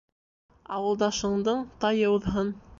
Ауылдашыңдың тайы уҙһын.